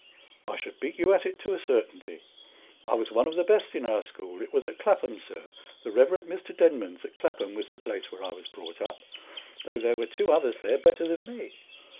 " I should beat you at it to a certainty, I was one of the best in our school (it was at Clapham, sir â€" the Eev. Mr. Denman's, at Clapham, was the place where I was brought up), though there were two others there bette than me.